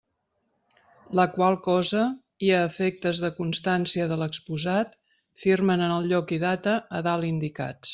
La qual cosa i a efectes de constància de l'exposat firmen en el lloc i data a dalt indicats.